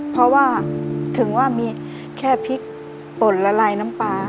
เพราะว่าถึงว่ามีแค่พริกป่นละลายน้ำปลา